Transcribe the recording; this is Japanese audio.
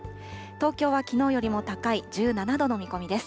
東京はきのうよりも高い１７度の見込みです。